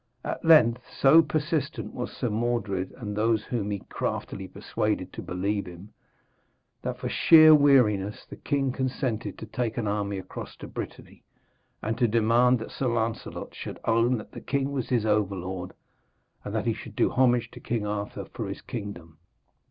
At length, so persistent was Sir Mordred and those whom he craftily persuaded to believe him, that for sheer weariness the king consented to take an army across to Brittany, and to demand that Sir Lancelot should own that the king was his overlord, and that he should do homage to King Arthur for his kingdom.